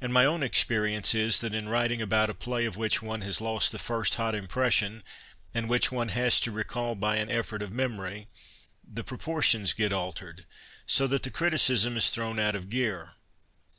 And my own experience is that in writing about a play of which one has lost the first hot impression, and which one has to recall by an effort of memory, the proportions get altered, so that the criticism is thrown out of gear.